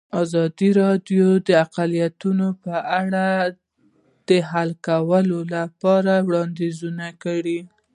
ازادي راډیو د اقلیتونه په اړه د حل کولو لپاره وړاندیزونه کړي.